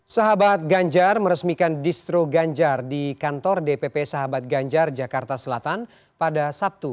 sahabat ganjar meresmikan distro ganjar di kantor dpp sahabat ganjar jakarta selatan pada sabtu